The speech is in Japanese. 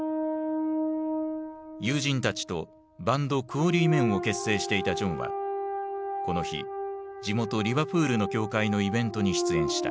友人たちとバンドクオリー・メンを結成していたジョンはこの日地元リバプールの教会のイベントに出演した。